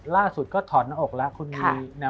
ร่าสุดก็ถอดนักออกละ